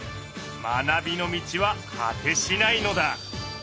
学びの道は果てしないのだ。